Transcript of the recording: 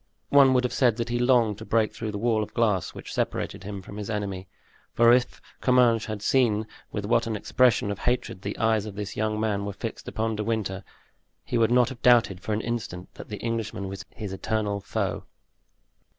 One would have said that he longed to break through the wall of glass which separated him from his enemy; for if Comminges had seen with what an expression of hatred the eyes of this young man were fixed upon De Winter, he would not have doubted for an instant that the Englishman was his eternal foe.